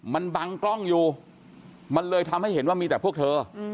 มันบังกล้องอยู่มันเลยทำให้เห็นว่ามีแต่พวกเธอ